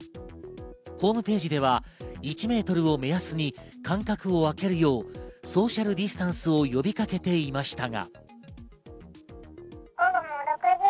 ホームページでは１ｍを目安に間隔を空けるようソーシャルディスタンスを呼びかけていましたが。